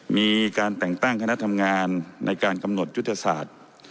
มีการแต่งตั้งคณะทำงานในการกำหนดยุทธศาสตร์